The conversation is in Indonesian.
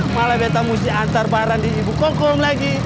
malah beta mesti antar barang di ibu kokom lagi